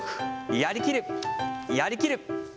やりきる、やりきる。